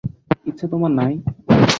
ইচ্ছা তোমার নাই?